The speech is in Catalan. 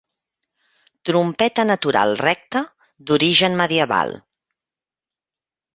Trompeta natural recta d'origen medieval.